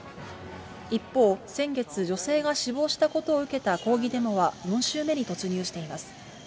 一方、先月、女性が死亡したことを受けた抗議デモは、４週目に突入しています。